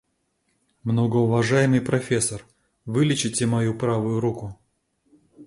Многоуважаемый профессор, вылечите мою правую руку.